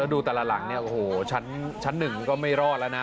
ดูแต่ละหลังชั้นหนึ่งก็ไม่รอดแล้วนะ